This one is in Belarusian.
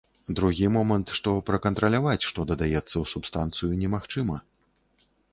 Другі момант, што пракантраляваць, што дадаецца ў субстанцыю, немагчыма.